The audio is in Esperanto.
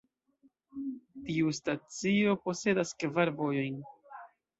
Tiu stacio posedas kvar vojojn.